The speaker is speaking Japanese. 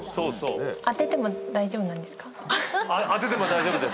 当てても大丈夫ですよ。